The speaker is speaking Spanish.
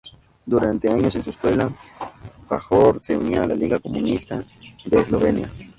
Durante años en su escuela, Pahor se unía a la Liga Comunista de Eslovenia.